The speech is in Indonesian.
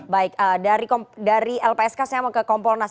baik dari lpsk saya mau ke kompolnas